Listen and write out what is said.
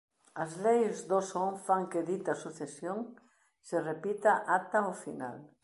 As leis do son fan que dita sucesión se repita ata o final.